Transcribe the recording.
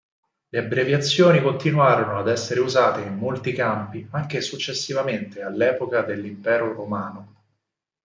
Le abbreviazioni continuarono ad essere usate in molti campi anche successivamente all'epoca dell'Impero Romano.